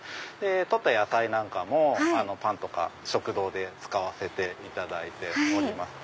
採った野菜なんかもパンとか食堂で使わせていただいております。